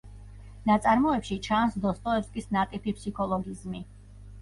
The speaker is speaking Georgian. ნაწარმოებში ჩანს დოსტოევსკის ნატიფი ფსიქოლოგიზმი.